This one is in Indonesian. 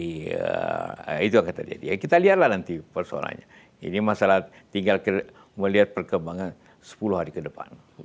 nah itu akan terjadi ya kita lihatlah nanti persoalannya ini masalah tinggal melihat perkembangan sepuluh hari ke depan